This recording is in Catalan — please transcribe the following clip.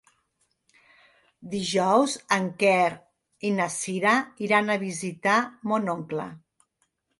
Dijous en Quer i na Cira iran a visitar mon oncle.